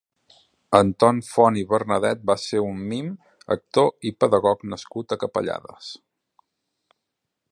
Anton Font i Bernadet va ser un mim, actor i pedagog nascut a Capellades.